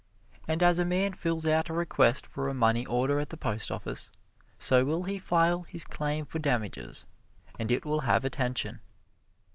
And as a man fills out a request for a money order at the Post Office, so will he file his claim for damages, and it will have attention.